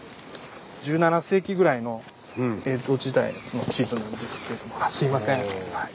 １７世紀ぐらいの江戸時代の地図なんですけれどもあっすいません。